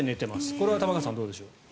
これは玉川さん、どうでしょう。